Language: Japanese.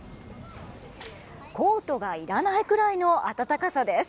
コートがいらないくらいの暖かさです。